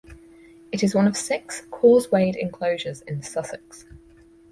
It is one of six causewayed enclosures in Sussex.